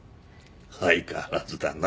相変わらずだな。